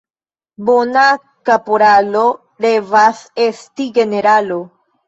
Bona kaporalo revas esti generalo.